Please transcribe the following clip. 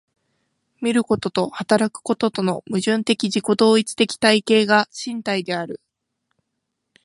見ることと働くこととの矛盾的自己同一的体系が身体である。